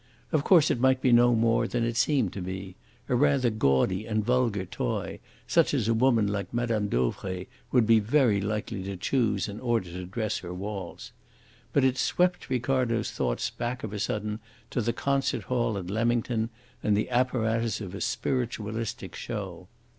Of course it might be no more than it seemed to be a rather gaudy and vulgar toy, such as a woman like Mme. Dauvray would be very likely to choose in order to dress her walls. But it swept Ricardo's thoughts back of a sudden to the concert hall at Leamington and the apparatus of a spiritualistic show.